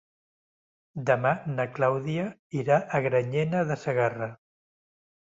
Demà na Clàudia irà a Granyena de Segarra.